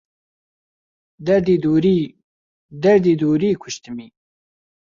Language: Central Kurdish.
دەردی دووری... دەردی دووری کوشتمی